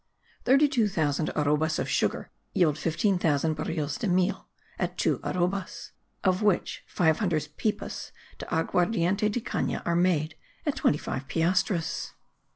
Thirty two thousand arrobas of sugar yield 15,000 bariles de miel (at two arrobas) of which five hundred pipas de aguardiente de cana are made, at twenty five piastres.